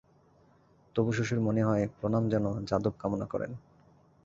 তবু, শশীর মনে হয়, প্রণাম যেন যাদব কামনা করেন।